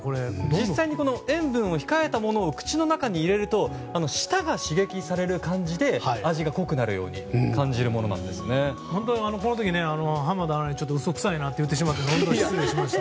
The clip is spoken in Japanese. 実際に塩分を控えたものを口の中に入れると舌が刺激される感じで味が濃くなるようにこの時に濱田アナに嘘くさいなと言ってしまって本当にすみませんでした。